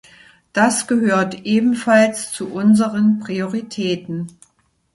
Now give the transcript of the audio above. Das gehört ebenfalls zu unseren Prioritäten.